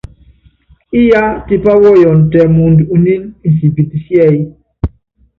Iyá tipá wɔyɔn tɛ mɔɔnd unín insipit síɛ́y.